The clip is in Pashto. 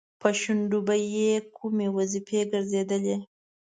په شونډو به یې کومې وظیفې ګرځېدلې؟